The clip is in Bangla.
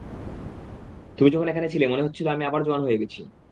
তুমি যখন এখানে ছিলে মনে হচ্ছিল আমি আবার জোয়ান হয়ে গেছি।